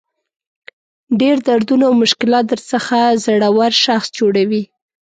ډېر دردونه او مشکلات درڅخه زړور شخص جوړوي.